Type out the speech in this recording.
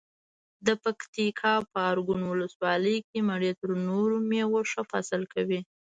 د پکتیکا په ارګون ولسوالۍ کې مڼې تر نورو مېوو ښه فصل کوي.